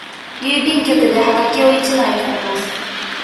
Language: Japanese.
郵便局ではがきを一枚買います。